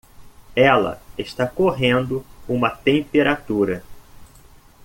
Ela está correndo uma temperatura?